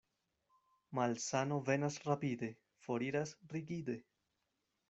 Malsano venas rapide, foriras rigide.